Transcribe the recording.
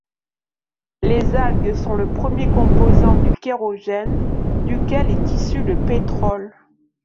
Les algues sont le premier composant du kérogène, duquel est issu le pétrole.